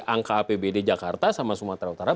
angka apbd jakarta sama sumatera utara